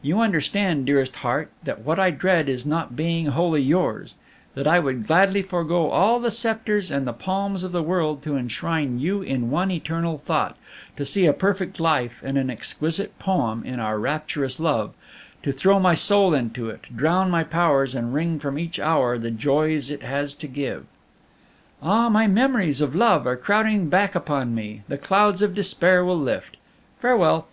"You understand, dearest heart, that what I dread is not being wholly yours; that I would gladly forego all the sceptres and the palms of the world to enshrine you in one eternal thought, to see a perfect life and an exquisite poem in our rapturous love; to throw my soul into it, drown my powers, and wring from each hour the joys it has to give! "Ah, my memories of love are crowding back upon me, the clouds of despair will lift. Farewell.